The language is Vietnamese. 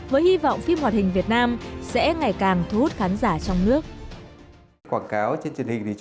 với hy vọng phim hoạt hình việt nam sẽ ngày càng thu hút khán giả trong nước